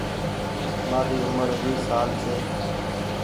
مآري اومر ويس سال ڇي۔